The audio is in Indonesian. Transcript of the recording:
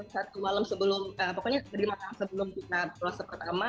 satu malam sebelum pokoknya lima tahun sebelum kita berpuasa pertama